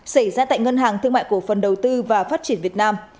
xảy ra tại ngân hàng thương mại cổ phần đầu tư và phát triển việt nam